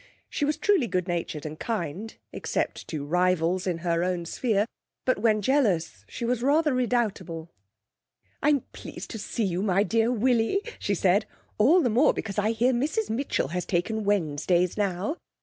She was truly good natured and kind, except to rivals in her own sphere, but when jealous she was rather redoubtable. 'I'm pleased to see you, my dear Willie,' she said; 'all the more because I hear Mrs Mitchell has taken Wednesdays now.